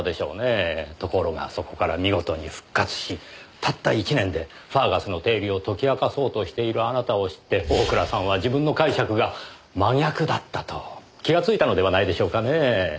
ところがそこから見事に復活したった１年でファーガスの定理を解き明かそうとしているあなたを知って大倉さんは自分の解釈が真逆だったと気がついたのではないでしょうかねぇ。